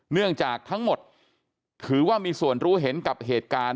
เนื่องจากทั้งหมดถือว่ามีส่วนรู้เห็นกับเหตุการณ์